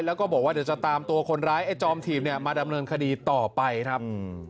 แล้วก็บอกว่าเดี๋ยวจะตามตัวคนร้ายไอ้จอมถีบเนี่ยมาดำเนินคดีต่อไปครับ